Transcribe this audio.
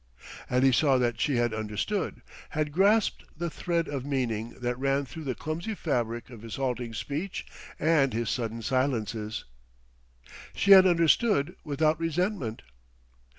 And he saw that she had understood, had grasped the thread of meaning that ran through the clumsy fabric of his halting speech and his sudden silences. She had understood without resentment!